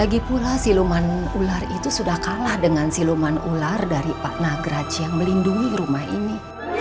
lagi pula siluman ular itu sudah kalah dengan siluman ular dari pak nagraj yang melindungi rumah ini